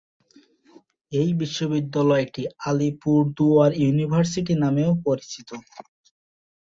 এই বিশ্ববিদ্যালয়টি আলিপুরদুয়ার ইউনিভার্সিটি নামেও পরিচিত।